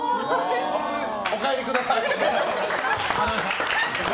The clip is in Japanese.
お帰りください。